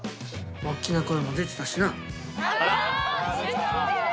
おっきな声も出てたしな。